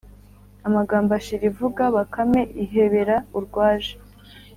amagambo ashira ivuga, bakame ihebera urwaje.